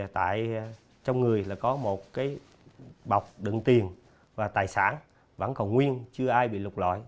trong người có một bọc đựng tiền và tài sản vẫn còn nguyên chưa ai bị lục lõi